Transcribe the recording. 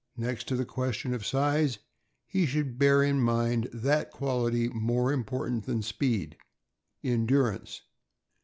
Next to the question of size, he should bear in mind that quality more important than speed — endurance.